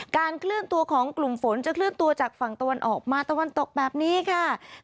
เคลื่อนตัวของกลุ่มฝนจะเคลื่อนตัวจากฝั่งตะวันออกมาตะวันตกแบบนี้ค่ะ